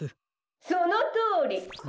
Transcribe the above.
「そのとおり！」。